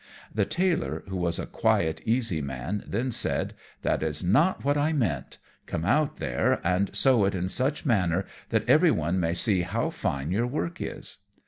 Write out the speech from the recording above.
The Tailor, who was a quiet, easy man, then said, "That was not what I meant; come out there, and sew in such a manner that every one may see how fine your work is."